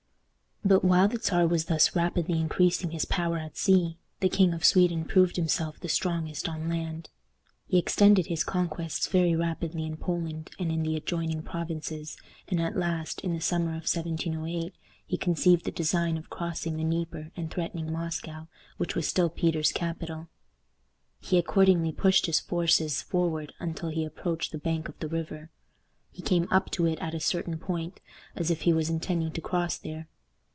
But, while the Czar was thus rapidly increasing his power at sea, the King of Sweden proved himself the strongest on land. He extended his conquests very rapidly in Poland and in the adjoining provinces, and at last, in the summer of 1708, he conceived the design of crossing the Dnieper and threatening Moscow, which was still Peter's capital. He accordingly pushed his forces forward until he approached the bank of the river. He came up to it at a certain point, as if he was intending to cross there.